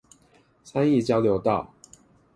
三義交流道